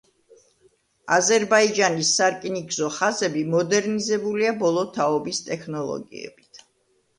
აზერბაიჯანის სარკინიგზო ხაზები მოდერნიზებულია ბოლო თაობის ტექნოლოგიებით.